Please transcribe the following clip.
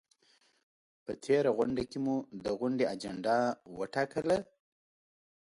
په تېره غونډه کې مو د غونډې اجنډا وټاکله؟